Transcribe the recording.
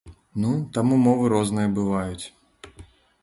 Ну, там умовы розныя бываюць.